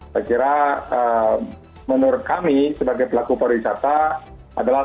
saya kira menurut kami sebagai pelaku para wisata adalah